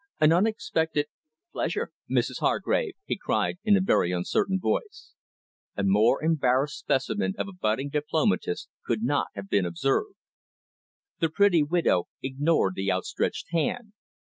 "An unexpected pleasure, Mrs Hargrave," he cried in a very uncertain voice. A more embarrassed specimen of a budding diplomatist could not have been observed. The pretty widow ignored the outstretched hand.